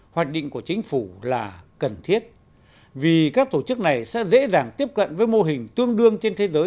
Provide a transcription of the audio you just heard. hoạch định của chính phủ là cần thiết vì các tổ chức này sẽ dễ dàng tiếp cận với mô hình tương đương trên thế giới